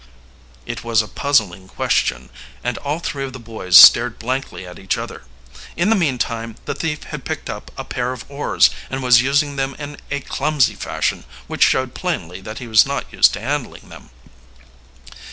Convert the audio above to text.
It was a puzzling question, and all three of the boys stared blankly at each other. In the meantime, the thief had picked up a pair of oars and was using them in a clumsy fashion which showed plainly that he was not used to handling them.